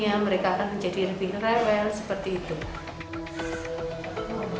ya mereka akan menjadi lebih rewel seperti itu